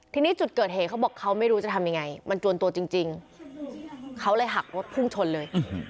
ทีนี้จุดเกิดเหตุเขาบอกเขาไม่รู้จะทำยังไงมันจวนตัวจริงเขาเลยหักรถพุ่งชนเลย